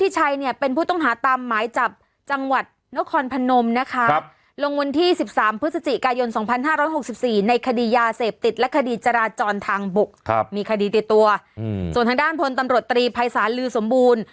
จอนทางบกครับมีคดีติดตัวอืมส่วนทางด้านพลตำรวจตรีภัยศาสตร์ลือสมบูรณ์